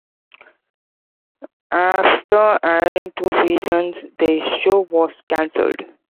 After airing two seasons, the show was cancelled.